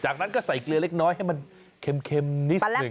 จากนั้นก็ใส่เกลียวเล็กให้มันเข็มนิดสักหนึ่ง